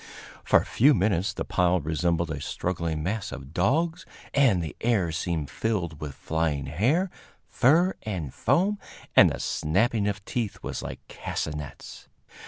For a few minutes the pile resembled a struggling mass of dogs, and the air seemed filled with flying hair, fur and foam, and the snapping of teeth was like castanets.